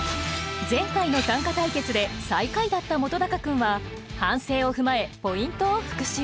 前回の短歌対決で最下位だった本君は反省を踏まえポイントを復習。